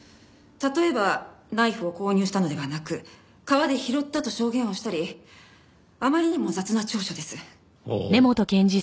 例えばナイフを購入したのではなく川で拾ったと証言をしたりあまりにも雑な調書です。